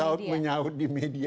saat menyaut di media itu tidak ada